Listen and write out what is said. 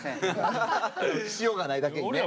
「塩がない」だけにね。